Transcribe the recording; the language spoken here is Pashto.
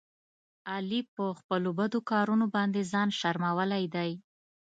علي په خپلو بدو کارونو باندې ځان شرمولی دی.